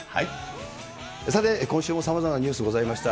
さて、今週もさまざまなニュースございました。